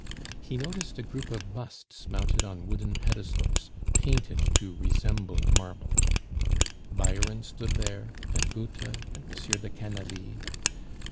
He noticed a group of busts mounted on wooden pedestals, painted to resemble marble; Byron stood there, and Goethe and M. de Canalis.